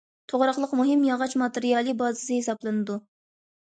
توغراقلىق مۇھىم ياغاچ ماتېرىيالى بازىسى ھېسابلىنىدۇ.